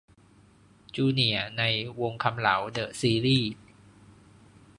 'จูเนียร์' ใน 'วงษ์คำเหลา เดอะซีรี่ส์'